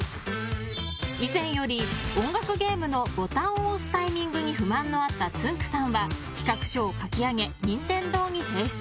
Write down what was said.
以前より音楽ゲームのボタンを押すタイミングに不満のあったつんく♂さんは企画書を書き上げ、任天堂に提出。